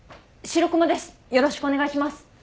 よろしくお願いします。